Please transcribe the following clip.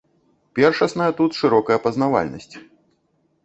Першасная тут шырокая пазнавальнасць.